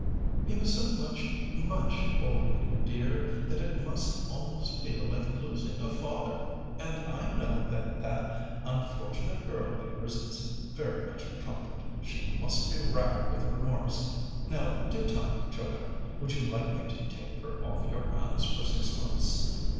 "He was so much, much older than you, dear, that it must almost feel like losing a father, and I know that that unfortunate girl of yours isn't very much comfort. She must be racked with remorse. Now, do tell me, Joanna, would you like me to take her off your hands for six months?